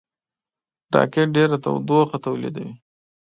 راکټ ډېره تودوخه تولیدوي